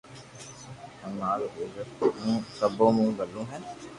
ھين مارو ٻچو سبو مون ٻلو ھي